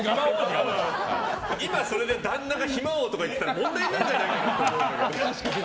今それで旦那が暇王とか言ってたら問題になるんじゃないかと思うんだけど。